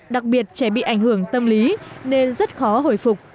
đặc biệt trẻ bị ảnh hưởng tâm lý nên rất khó hồi phục